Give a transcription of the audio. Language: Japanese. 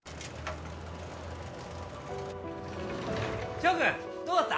翔君どうだった？